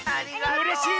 うれしい！